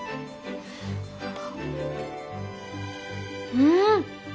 うん！